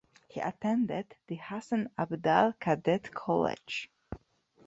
He attended the Hassan Abdal cadet college.